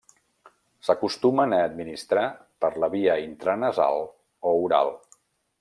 S'acostumen a administrar per la via intranasal o oral.